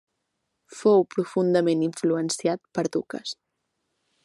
Fou profundament influenciat per Dukas.